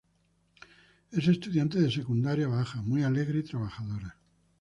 Es estudiante de secundaria baja, muy alegre y trabajadora.